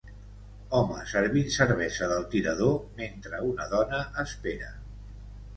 Home servint cervesa del tirador mentre una dona espera.